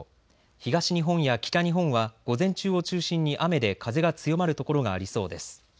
東日本や北日本は午前中を中心に雨で風が強まる所がありそうです。